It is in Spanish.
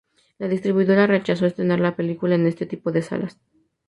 La distribuidora rechazó estrenar la película en este tipo de salas.